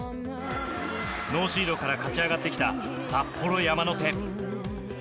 ノーシードから勝ち上がってきた札幌山の手。